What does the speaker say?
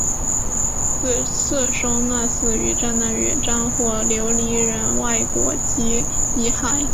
此祠收纳死于海难与战火的琉球人等外国籍遗骸。